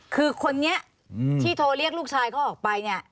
คือคนนี้ที่โทรเรียกลูกชายเขาออกไปเนี่ย